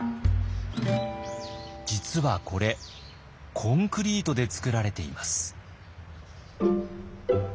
実はこれコンクリートで作られています。